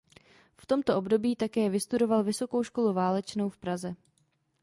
V tomto období také vystudoval Vysokou školu válečnou v Praze.